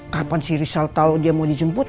kapan si rizal tau dia mau dijemput